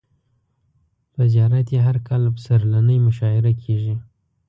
په زیارت یې هر کال پسرلنۍ مشاعر کیږي.